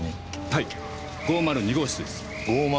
はい５０２号室です。